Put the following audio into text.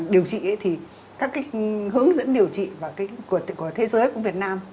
điều trị thì các cái hướng dẫn điều trị của thế giới cũng việt nam